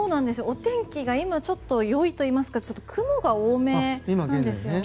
お天気が今は良いといいますか雲が多めなんですよね。